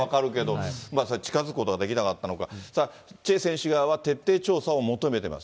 近づくことができなかったのか、チェ選手側は徹底調査を求めてます。